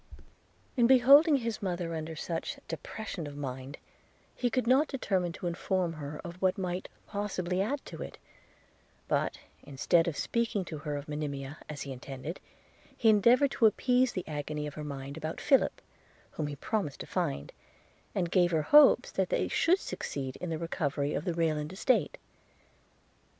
In beholding his mother under such depression of mind, he could not determine to inform her of what might possibly add to it; but instead of speaking to her of Monimia, as he intended, he endeavoured to appease the agony of her mind about Philip, whom he promised to find, and gave her hopes, that they should succeed in the recovery of the Rayland estate.